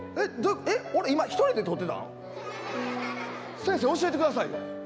先生教えてくださいよ。